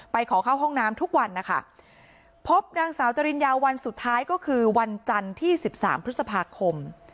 ขอเข้าห้องน้ำทุกวันนะคะพบนางสาวจริญญาวันสุดท้ายก็คือวันจันทร์ที่สิบสามพฤษภาคม